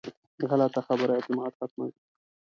غلطه خبره اعتماد ختموي